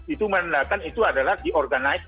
itu menandakan itu adalah diorganize